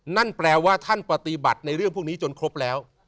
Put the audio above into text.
นั่นแปลว่าท่านปฏิบัติในเรื่องพวกนี้จนครบแล้ว